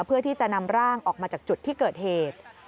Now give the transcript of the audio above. เพื่อที่จะนำร่างออกมาจากจุดที่เกิดเหตุ